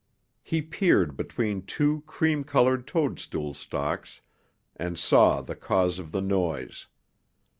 He peered between two cream colored toadstool stalks and saw the cause of the noise.